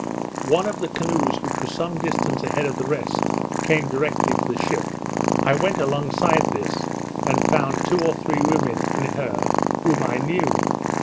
One of the canoes, which was some distance ahead of the rest, came directly for the ship. I went alongside this, and found two or three women in her whom I knew.